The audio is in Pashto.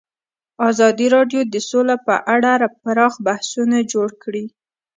ازادي راډیو د سوله په اړه پراخ بحثونه جوړ کړي.